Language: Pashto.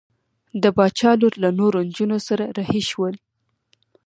د باچا لور له نورو نجونو سره رهي شول.